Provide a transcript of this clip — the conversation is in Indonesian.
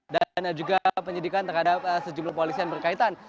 dan juga penyelidikan terhadap sejumlah polisian berkaitan